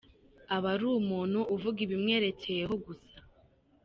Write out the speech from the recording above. Aba ari umuntu uvuga ibimwerekeyeho gusa.